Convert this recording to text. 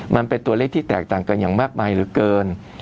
มันเป็นตัวเลขที่แตกต่างกันอย่างมากมายเหลือเกิน